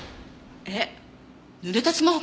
えっ濡れたスマホから指紋が？